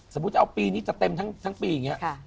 สมมุติจะเอาปีนี้จะเต็มทั้งปีอย่างนี้